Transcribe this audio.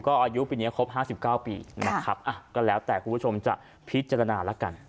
ก็อายุเป็นเนี้ยครบห้าสิบเก้าปีนะครับอ่ะก็แล้วแต่คุณผู้ชมจะพิจารณาแล้วกัน